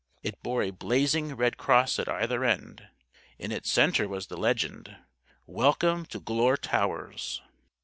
It bore a blazing red cross at either end. In its center was the legend: "_WELCOME TO GLURE TOWERS!